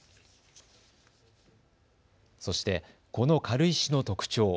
そして、この軽石の特徴。